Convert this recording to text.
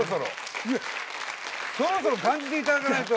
そろそろ感じていただかないと。